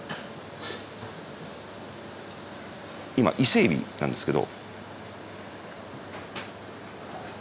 今伊勢海老なんですけど。